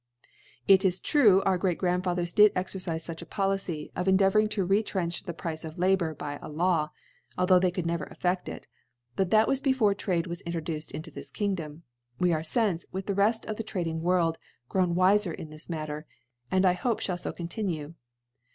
It is true, our * Great Grandfathcra did excrcife fuch Po * licy, of endeavouring to retrench the * Price of Labour by a Law (altho* they * could never eflfeft it •,) but that was before ^ Trade was introduced into this Kingdom ^* we are fince, with the reft of the Trading, * World, grown wifer in this Matter,, and * I hope (hall fo continue *.